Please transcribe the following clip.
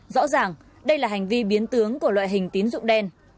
rõ ràng đây là hành vi biến tướng của loại hình tín dụng đen